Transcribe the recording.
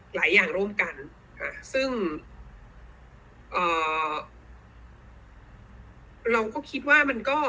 หลายอย่างร่วมกันค่ะซึ่งเอ่อเราก็คิดว่ามันก็